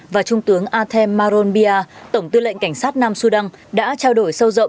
và trung tướng atem maron pia tổng tư lệnh cảnh sát nam sudan đã trao đổi sâu rộng